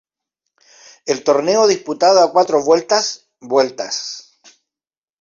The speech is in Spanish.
El torneo disputado a cuatro vueltas vueltas.